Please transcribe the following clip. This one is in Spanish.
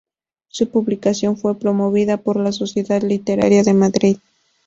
Su publicación fue promovida por la Sociedad Literaria de Madrid.